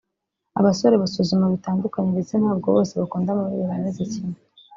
Abasore basuzuma bitandukanye ndetse ntabwo bose bakunda amabere ameze kimwe